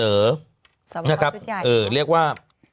สอบคอชุดใหญ่ใช่ไหมครับเรียกว่า